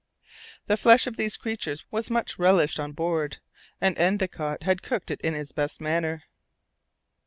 The flesh of these creatures was much relished on board, after Endicott had cooked it in his best manner.